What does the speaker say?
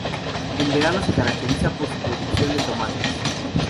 En verano se caracteriza por su producción de tomates.